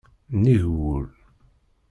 Nnig wul.